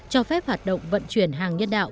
cho phép hoạt động vận chuyển hàng nhân đạo